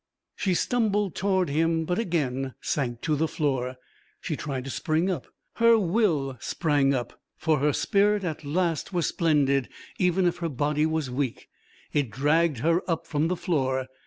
She stumbled toward him but again sank to the floor. She tried to spring up. Her will sprang up, for her spirit at last was splendid even if her body was weak. It dragged her up from the floor.